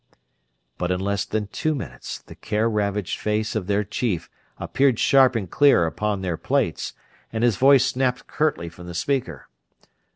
But in less than two minutes the care ravaged face of their chief appeared sharp and clear upon their plates and his voice snapped curtly from the speaker.